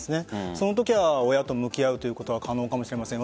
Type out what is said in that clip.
そのときは親と向き合うことは可能かもしれません。